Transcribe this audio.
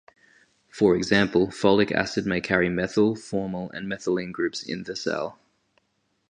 For example, folic acid may carry methyl, formyl, and methylene groups in the cell.